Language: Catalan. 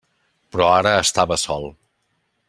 Però ara estava sol.